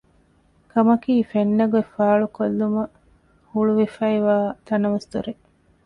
ކަމަކީ ފެންނަ ގޮތް ފައުޅު ކޮށްލުމަށް ހުޅުވިފައިވާ ތަނަވަސް ދޮރެއް